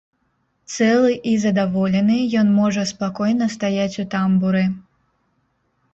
Цэлы і задаволены ён можа спакойна стаяць у тамбуры.